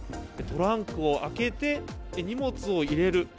トランクを開けて荷物を入れる。